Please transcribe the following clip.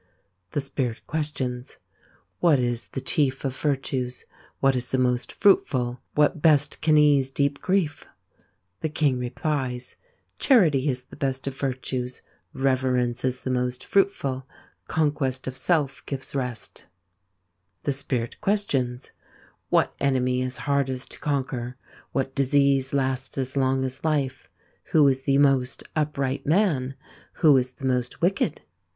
The Spirit questions : What is the chief of virtues ? Which is the most fruitful ? What best can ease deep grief ? The King replies : Charity is the best of virtues. Reverence is the 'most fruitful. Conquest of self gives rest. THE POOL OF ENCHANTMENT 155 The Spirit questions : What enemy is hardest to conquer ? \\QiaLJisease Jtasts as Who is the most upright man ?" wicked